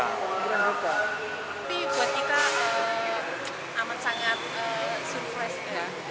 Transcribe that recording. tapi buat kita aman sangat surprise ya